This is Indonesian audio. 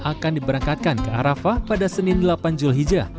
akan diberangkatkan ke arafah pada senin delapan julhijjah